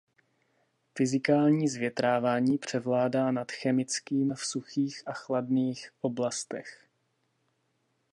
Fyzikální zvětrávání převládá nad chemickým v suchých a chladných oblastech.